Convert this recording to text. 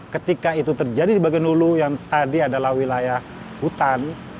ketika itu terjadi di bagian hulu yang tadi adalah wilayah hutan